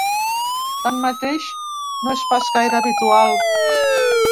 Tanmateix, no és pas gaire habitual.